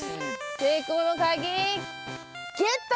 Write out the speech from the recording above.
成功の鍵ゲット！